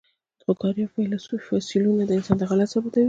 خو د کارایب فسیلونه د انسان دخالت ثابتوي.